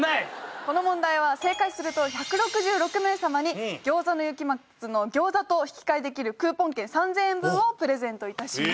この問題は正解すると１６６名様に餃子の雪松の餃子と引き換えできるクーポン券３０００円分をプレゼント致します。